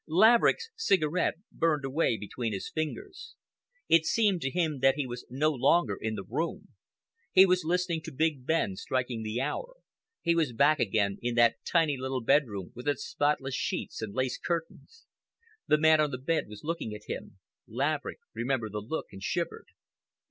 Laverick's cigarette burned away between his fingers. It seemed to him that he was no longer in the room. He was listening to Big Ben striking the hour, he was back again in that tiny little bedroom with its spotless sheets and lace curtains. The man on the bed was looking at him. Laverick remembered the look and shivered.